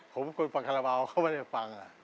ผมฟังคาราบาลเขาไม่ได้ฟัง